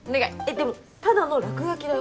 でもただの落書きだよ？